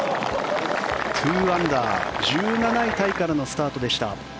２アンダー、１７位タイからのスタートでした。